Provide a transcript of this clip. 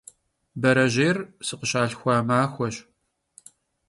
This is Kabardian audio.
Berejêyr sıkhışalhxua maxueş.